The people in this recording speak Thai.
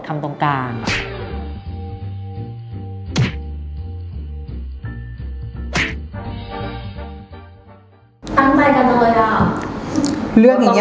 คำถอบคือ